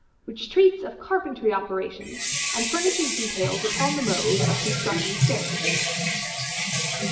Which Treats of Carpentry Operations, and Furnishes Details upon the Mode of Constructing Staircases.